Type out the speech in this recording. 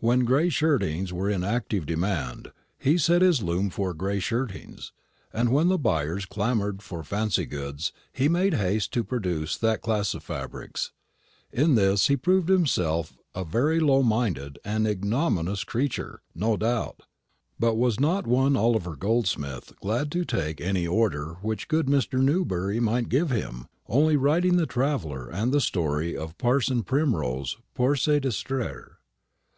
When gray shirtings were in active demand, he set his loom for gray shirtings; and when the buyers clamoured for fancy goods, he made haste to produce that class of fabrics. In this he proved himself a very low minded and ignominious creature, no doubt; but was not one Oliver Goldsmith glad to take any order which good Mr. Newberry might give him, only writing the "Traveller" and the story of Parson Primrose pour se distraire?